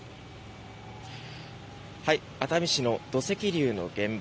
熱海市の土石流の現場